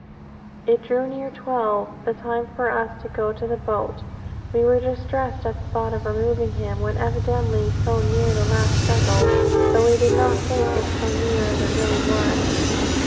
"It drew near twelve, the time for us to go to the boat. We were distressed at the thought of removing him, when evidently so near the last struggle, though we did not think it so near as it really was.